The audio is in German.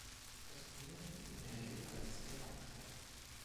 Das Turnier findet in der Regel alle zwei Jahre statt.